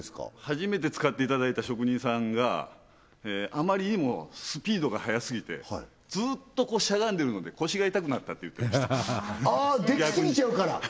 初めて使っていただいた職人さんがあまりにもスピードが速すぎてずっとしゃがんでるので腰が痛くなったって言ってましたああできすぎちゃうから？